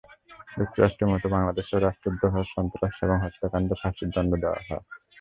যুক্তরাষ্ট্রের মতো বাংলাদেশেও রাষ্ট্রদ্রোহ, সন্ত্রাস এবং হত্যাকাণ্ডে ফাঁসির দণ্ড দেওয়া হয়।